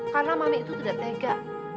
karena mami itu tidak tega